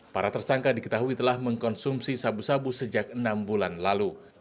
para tersangka diketahui telah mengkonsumsi sabu sabu sejak enam bulan lalu